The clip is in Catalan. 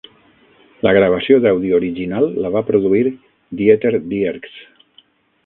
La gravació d'àudio original la va produir Dieter Dierks.